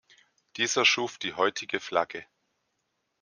Dieser schuf die heutige Flagge.